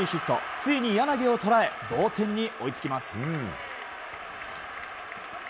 ついに柳をとらえ同点に追いつきます。